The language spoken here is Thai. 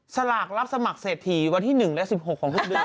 สลากรับสมัครเศรษฐีวันที่๑และ๑๖ของทุกเดือน